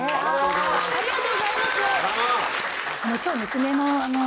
ありがとうございます。